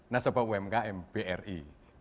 nasabah umkm bri